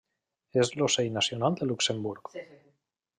És l'ocell nacional de Luxemburg.